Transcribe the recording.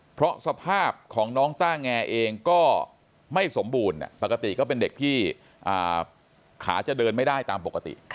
เพราะสภาพของน้องต้าแงเองก็ไม่สมบูรณ์ปกติก็เป็นเด็กที่ขาจะเดินไม่ได้ตามปกติ